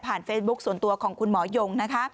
ผ่านเฟซบุ๊กส่วนตัวของคุณหมอยง